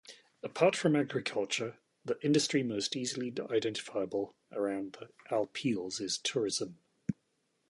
Apart from agriculture, the industry most easily identifiable around the Alpilles is tourism.